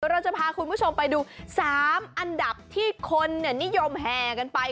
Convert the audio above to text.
เราจะพาคุณผู้ชมไปดู๓อันดับที่คนนิยมแห่กันไป